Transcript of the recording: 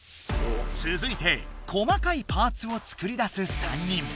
つづいて細かいパーツを作りだす３人。